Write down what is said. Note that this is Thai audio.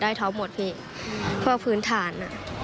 ได้ท็อปหมดพี่เพราะว่าพื้นฐาน